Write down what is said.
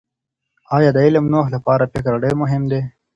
آیا د علم د نوښت لپاره فکر ډېر مهم دي؟